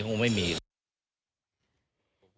คงไม่มีคงไม่มี